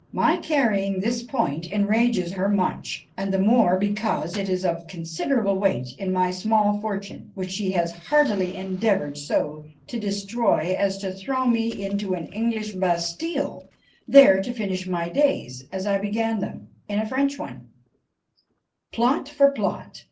My carrying this point enrages her much_, and the more because it is of considerable weight in my small fortune, which she has heartily endeavoured so to destroy as to throw me into an English Bastile, there to finish my days, as I began them, in a French one." Plot for plot!